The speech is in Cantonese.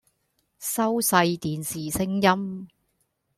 收細電視聲音